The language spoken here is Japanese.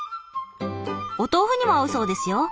お豆腐にも合うそうですよ。